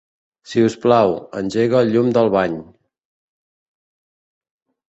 Si us plau, engega el llum del bany.